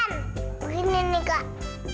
begini nih kak